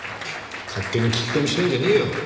ケッ勝手に聞き込みしてんじゃねえよ。